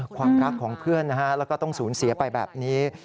ความรักของเพื่อนแล้วก็ต้องสูญเสียไปแบบนี้